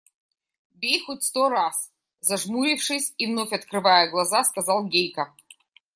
– Бей хоть сто раз, – зажмурившись и вновь открывая глаза, сказал Гейка.